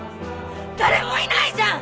誰もいないじゃん！